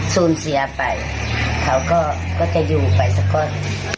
สูญเสียไปเขาก็จะอยู่ไปสักก้อน